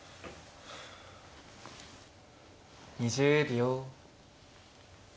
２０秒。